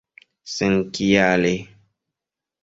senkiale